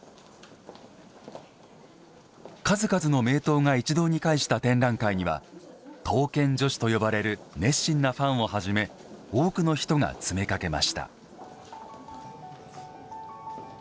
数々の名刀が一堂に会した展覧会には刀剣女子と呼ばれる熱心なファンをはじめ多くの人が詰めかけました。